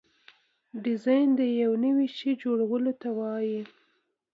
ډیزاین د یو نوي شي جوړولو ته وایي.